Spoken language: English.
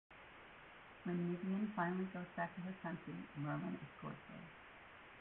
When Niviane finally goes back to her country, Merlin escorts her.